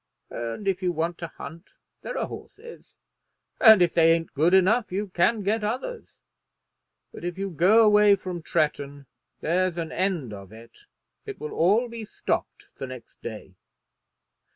And if you want to hunt there are horses, and if they ain't good enough you can get others. But if you go away from Tretton there's an end of it. It will all be stopped the next day."